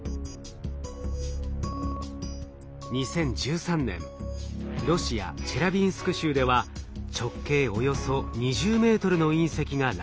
２０１３年ロシア・チェリャビンスク州では直径およそ２０メートルの隕石が落下。